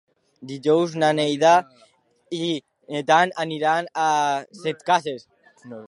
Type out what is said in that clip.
Dijous na Neida i en Dan aniran a Setcases.